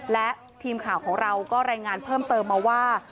และทีมข่าวของเราก็รายงานเพิ่มเติมมาว่า